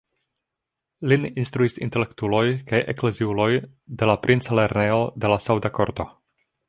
Lin instruis intelektuloj kaj ekleziuloj en la princa lernejo de la sauda korto.